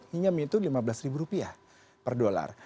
hanya menyetujui lima belas ribu rupiah per dolar